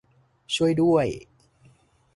ช่วยด้วย !